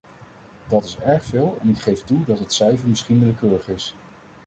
Dat is erg veel en ik geef toe dat het cijfer misschien willekeurig is.